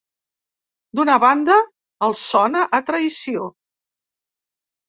D'una banda, els sona a traïció.